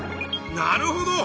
なるほど！